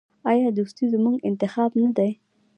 آیا دوستي زموږ انتخاب نه دی؟